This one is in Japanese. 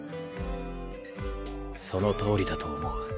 そのとおりだと思う。